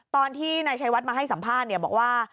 ตอนที่นายชัยวัดมาให้สัมภาษณ์บอกว่า